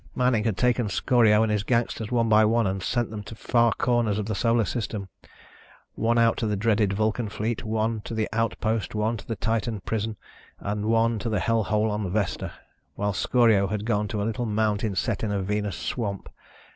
_" Manning had taken Scorio and his gangsters one by one and sent them to far corners of the Solar System. One out to the dreaded Vulcan Fleet, one to the Outpost, one to the Titan prison, and one to the hell hole on Vesta, while Scorio had gone to a little mountain set in a Venus swamp.